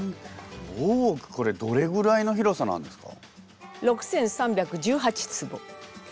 大奥これどれぐらいの広さなんですか？